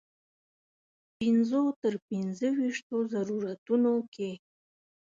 پنځو تر پنځه ویشتو ضرورتونو کې.